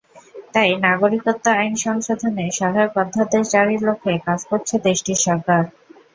তাই নাগরিকত্ব আইন সংশোধনে সহায়ক অধ্যাদেশ জারির লক্ষ্যে কাজ করছে দেশটির সরকার।